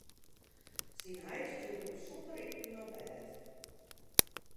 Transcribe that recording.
Syn heit stjoerde him sûnder iten op bêd.